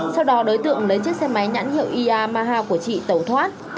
sau đó đối tượng lấy chiếc xe máy nhãn hiệu yamaha của chị tẩu thoát